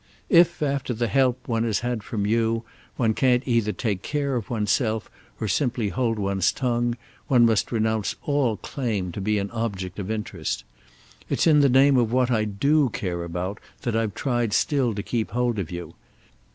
If after the help one has had from you one can't either take care of one's self or simply hold one's tongue, one must renounce all claim to be an object of interest. It's in the name of what I do care about that I've tried still to keep hold of you.